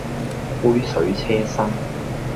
杯水車薪